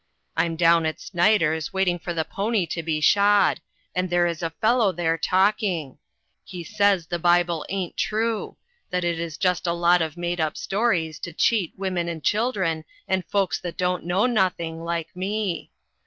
" I'm down at Snyder's, waiting for the pony to be shod, and there is a fellow there talking. He says the Bible ain't true ; that it is just a lot of made up stories to cheat women and children and folks that don't know nothing, like me.